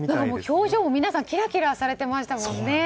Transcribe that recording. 表情、皆さんキラキラされてましたもんね。